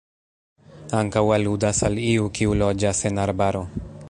Ankaŭ aludas al iu, kiu loĝas en arbaro.